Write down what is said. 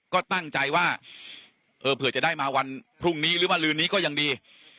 ก็ตั้งใจว่าเออเผื่อจะได้มาวันพรุ่งนี้หรือมาลืนนี้ก็ยังดี